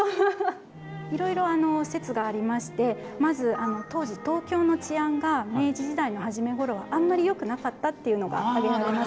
いろいろ説がありましてまず当時東京の治安が明治時代の初め頃はあんまりよくなかったっていうのが挙げられます。